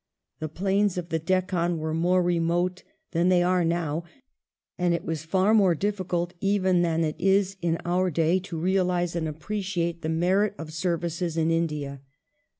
The plains of the Deccan were more remote than they are now, and it was far more difficult even than it is in our day to realise and appreciate the merit of services in India.